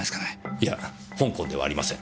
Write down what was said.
いや香港ではありません。